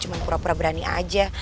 cuma pura pura berani aja